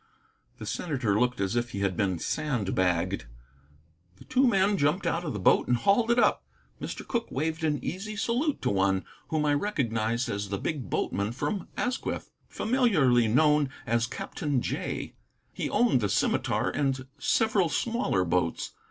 The senator looked as if he had been sand bagged. The two men jumped out of the boat and hauled it up. Mr. Cooke waved an easy salute to one, whom I recognized as the big boatman from Asquith, familiarly known as Captain Jay. He owned the Scimitar and several smaller boats.